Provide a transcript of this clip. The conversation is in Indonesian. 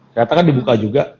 ternyata kan dibuka juga